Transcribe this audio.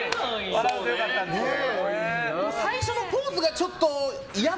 笑うとよかったんですけど。